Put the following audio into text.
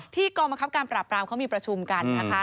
กองบังคับการปราบรามเขามีประชุมกันนะคะ